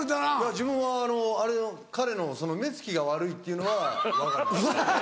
自分は彼の目つきが悪いっていうのは分かる。